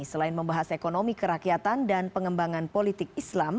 selain membahas ekonomi kerakyatan dan pengembangan politik islam